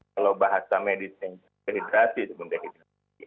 kalau bahasa medisnya dehidrasi sebenarnya